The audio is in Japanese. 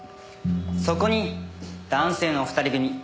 そこに男性のお二人組。